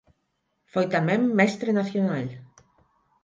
Foi tamén mestre nacional.